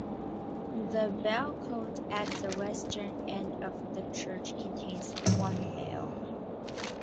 The bellcote at the western end of the church contains one bell.